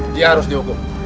dia harus dihukum